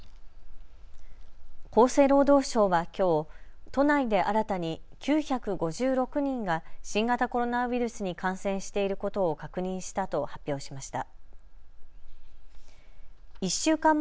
厚生労働省はきょう都内で新たに９５６人が新型コロナウイルスに感染していることを確認したと発表しました。